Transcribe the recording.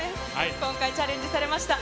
今回、チャレンジされました、